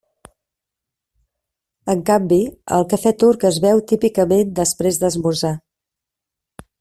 En canvi, el cafè turc es beu típicament després d'esmorzar.